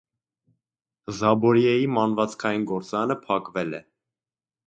Զաբորիեի մանվածքային գործարանը փակվել է։